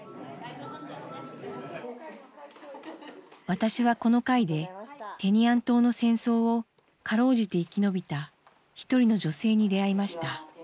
私はこの会でテニアン島の戦争をかろうじて生き延びた一人の女性に出会いました。